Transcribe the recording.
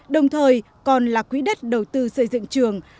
đồng thời còn là quỹ đất đầu tư xây dựng trường